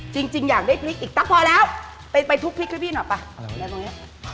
จริงอยากได้พริกอีกพอแล้วไปทุกพริกพี่หน่อยป่ะไปตรงนี้